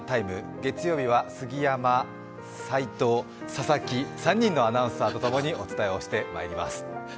月曜日は杉山、齋藤、佐々木、３人のアナウンサーとともにお伝えしてまいります。